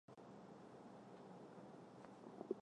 屋苑原本是私人参建的政府居者有其屋项目红湾半岛。